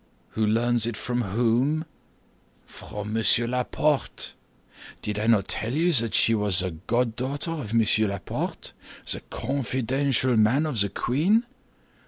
"Who learns it from whom?" "From Monsieur Laporte. Did I not tell you that she was the goddaughter of Monsieur Laporte, the confidential man of the queen?